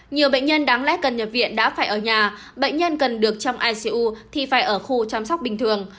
nhiều bệnh nhân đáng lẽ cần nhập viện đã phải ở nhà bệnh nhân cần được trong icu thì phải ở khu chăm sóc bình thường